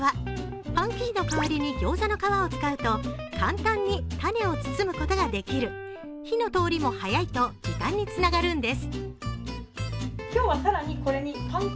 パン生地の代わりにギョーザの皮を使うと簡単にたねを包むことができる、火の通りも早いと時短につながるんです。